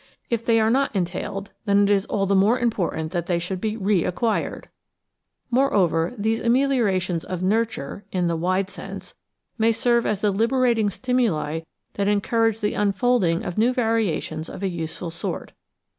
If they are not entailed, then it is all the more important that they should be re acquired. Moreover, these ameliorations of "nurture" (in the wide sense) may serve as the liberating stimuli that encourage the imfolding of new variations of a useful sort.